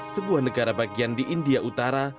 sebuah negara bagian di india utara